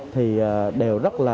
thì đều là vật phẩm